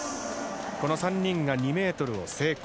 この３人が２ｍを成功。